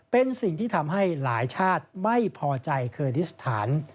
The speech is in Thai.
เป็นสิ่งที่ทำให้หลายชาติไม่พอใจเคอร์ดิสถาน